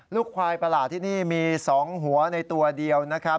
ควายประหลาดที่นี่มี๒หัวในตัวเดียวนะครับ